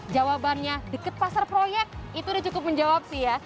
jawabannya deket pasar proyek itu udah cukup menjawab sih ya